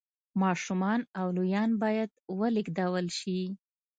ماشومان او لویان باید ولېږدول شي